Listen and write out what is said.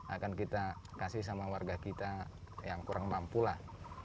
akan kita kasih sama warga kita yang kurang mampu lah